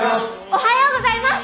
おはようございます。